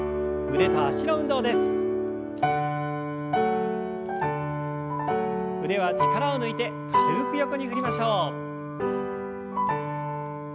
腕は力を抜いて軽く横に振りましょう。